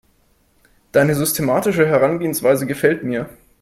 Deine systematische Herangehensweise gefällt mir.